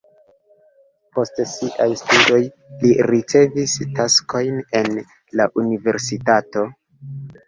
Post siaj studoj li ricevis taskojn en la universitato.